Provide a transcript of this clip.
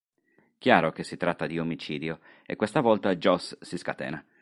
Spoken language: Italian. Chiaro che si tratta di omicidio, e questa volta Joss si scatena.